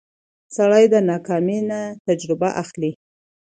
سړی د ناکامۍ نه تجربه اخلي